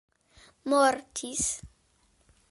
mortis